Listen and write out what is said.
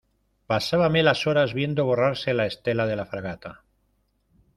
pasábame las horas viendo borrarse la estela de la fragata.